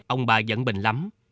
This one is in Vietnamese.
ông bà giận bình lắm